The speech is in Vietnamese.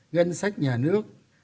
ngân sách nhà nước